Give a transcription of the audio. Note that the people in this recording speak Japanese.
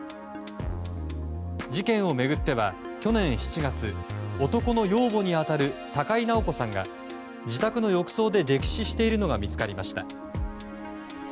事件を巡っては去年７月男の養母に当たる高井直子さんが自宅の浴槽で溺死しているのが見つかりました。